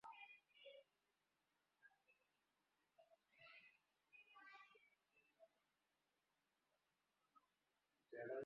বলেছিলে তোমাদের ঘোড়া আছে, তাই ভেবেছিলাম হয়তো তুমি রাজকীয় পরিবারের!